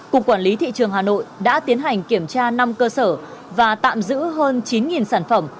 cục quản lý thị trường hà nội đã tiến hành kiểm tra năm cơ sở và tạm giữ hơn chín sản phẩm